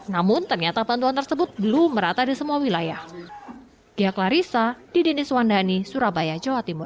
namun ternyata bantuan tersebut belum merata di semua wilayah